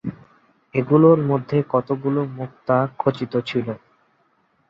এগুলোর মধ্যে কতগুলো মুক্তা খচিত ছিল।